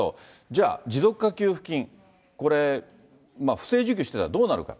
じゃあ、持続化給付金、これ、不正受給してたらどうなるか。